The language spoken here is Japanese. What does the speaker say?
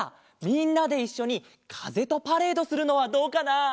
みんなでいっしょにかぜとパレードするのはどうかな？